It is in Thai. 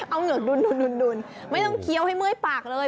เอาเหงือกดุนไม่ต้องเคี้ยวให้เมื่อยปากเลย